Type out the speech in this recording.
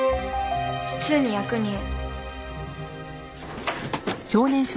普通に役人。